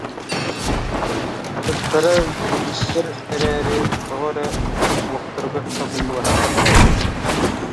Атыттара киһитиктэр эрээри, тоҕо эрэ олохторугар табыллыбаттар